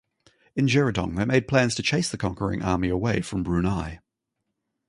In Jerudong, they made plans to chase the conquering army away from Brunei.